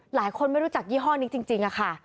หลายคนไม่รู้จักยี่ห้อนี้จริงค่ะ